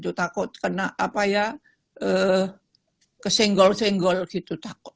itu takut kena apa ya ke single single gitu takut